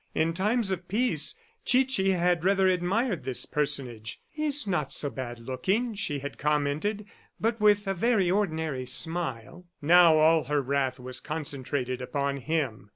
In times of peace, Chichi had rather admired this personage. "He's not so bad looking," she had commented, "but with a very ordinary smile." Now all her wrath was concentrated upon him.